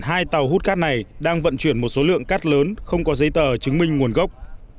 hai tàu hút cát này đang vận chuyển một số lượng cát lớn không có giấy tờ chứng minh nguồn gốc